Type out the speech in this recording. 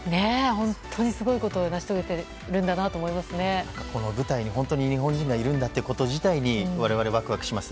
本当にすごいことを成し遂げてるんだなとこの舞台に本当に日本人がいるんだということ自体に我々、わくわくしますね。